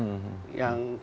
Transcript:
dia menghentaskan kasus ini